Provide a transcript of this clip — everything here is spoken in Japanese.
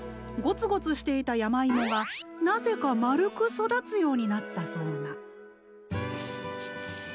ゴツゴツしていた山いもがなぜか丸く育つようになったそうな。